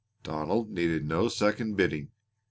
Donald needed no second bidding.